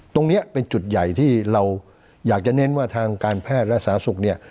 ตรงนี้เป็นจุดใหญ่ที่เราอยากจะเน้นว่าทางการแพทย์และสาธารณสุขเนี่ย